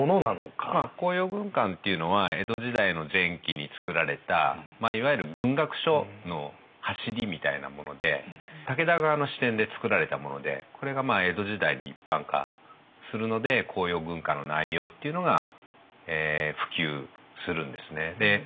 「甲陽軍鑑」っていうのは江戸時代の前期につくられたいわゆる軍学書の走りみたいなもので武田側の視点でつくられたものでこれが江戸時代に一般化するので「甲陽軍鑑」の内容っていうのが普及するんですね。